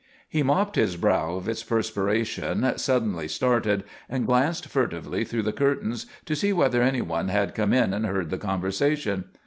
He mopped his brow of its perspiration, suddenly started, and glanced furtively through the curtains to see whether anyone had come in and heard the conversation.